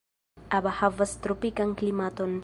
Aba havas tropikan klimaton.